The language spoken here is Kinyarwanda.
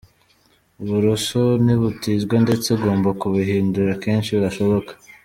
Uburoso ntibutizwa ndetse ugomba kubuhindura kenshi gashoboka.